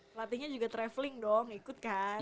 pelatihnya juga traveling dong ikut kan